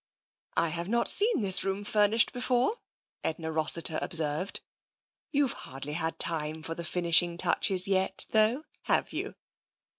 " Fve not seen this room furnished before," Edna Rossiter observed. " You've hardly had time for the finishing touches yet, though, have you